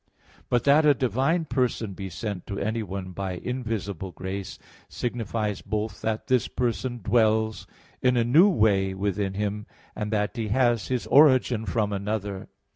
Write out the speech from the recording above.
But that a divine person be sent to anyone by invisible grace signifies both that this person dwells in a new way within him and that He has His origin from another.